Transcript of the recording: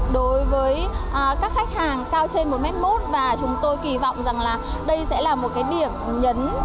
đối với các khách hàng cao trên một mốt và chúng tôi kỳ vọng rằng là đây sẽ là một cái điểm nhấn